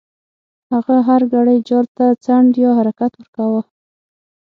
هغه هر ګړی جال ته څنډ یا حرکت ورکاوه.